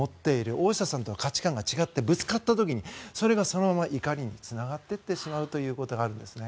大下さんとの価値観が違ってぶつかった時にそれがそのまま怒りにつながっていってしまうということがあるんですね。